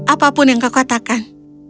apapun yang kau katakan